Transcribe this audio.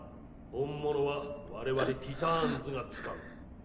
本物は我々ティターンズが使ううっ